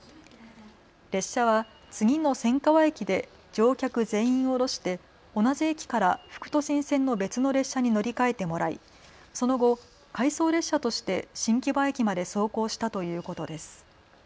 列車は次の千川駅で乗客全員を降ろして同じ駅から副都心線の別の列車に乗り換えてもらいその後、回送列車として新木場駅まで走行したということです。